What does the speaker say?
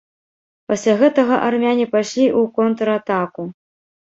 Пасля гэтага армяне пайшлі ў контратаку.